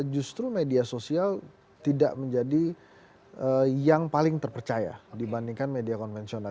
justru media sosial tidak menjadi yang paling terpercaya dibandingkan media konvensional